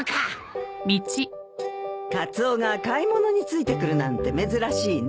カツオが買い物に付いてくるなんて珍しいね。